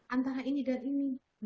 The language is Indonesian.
antara ini dan ini